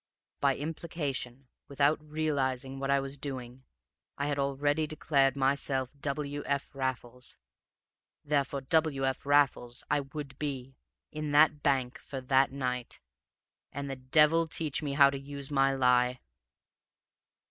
By implication, without realizing what I was doing, I had already declared myself W. F. Raffles. Therefore, W. F. Raffles I would be, in that bank, for that night. And the devil teach me how to use my lie!"